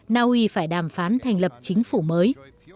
naui phải đàm phán thành lập chính phủ mới